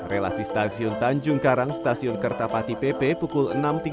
relasi stasiun tanjung karang stasiun kertapati pp pukul enam tiga puluh